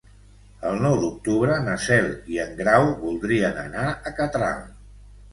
El nou d'octubre na Cel i en Grau voldrien anar a Catral.